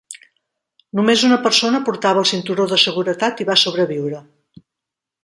Només una persona portava el cinturó de seguretat i va sobreviure.